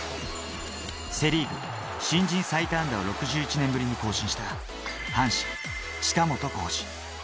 セ・リーグ新人最多安打を６１年ぶりに更新した阪神・近本光司。